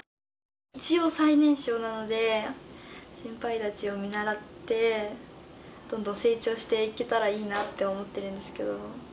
一応、最年少なので先輩たちを見習って、どんどん成長していけたらいいなって思ってるんですけど。